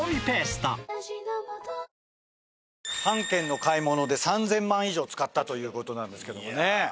３軒の買い物で３０００万以上使ったということなんですけどもね